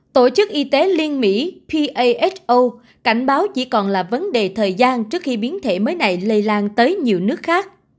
tổ chức y tế liên mỹ paso cảnh báo chỉ còn là vấn đề thời gian trước khi biến thể mới này lây lan tới nhiều nước khác